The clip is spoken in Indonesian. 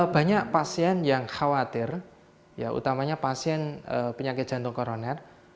banyak pasien yang khawatir ya utamanya pasien penyakit jantung koroner